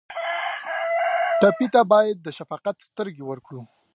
ټپي ته باید د شفقت سترګې ورکړو.